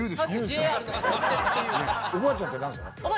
おばあちゃんって何歳？